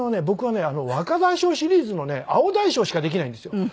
僕はね『若大将シリーズ』のね青大将しかできないんですよ。